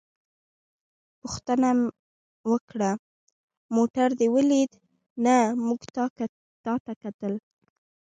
پوښتنه وکړه: موټر دې ولید؟ نه، موږ تا ته کتل.